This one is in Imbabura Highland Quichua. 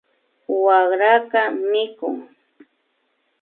Wakraka mikun